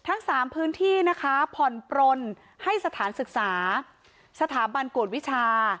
ทั้ง๓พื้นที่นะคะผ่อนปลนให้สถานศึกษาสถาบันกวดวิชา